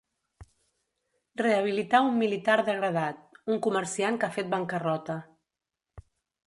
Rehabilitar un militar degradat, un comerciant que ha fet bancarrota.